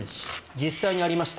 実際にありました。